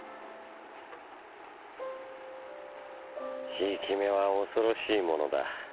「贔屓目は恐ろしいものだ。